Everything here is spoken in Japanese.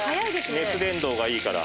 熱伝導がいいから。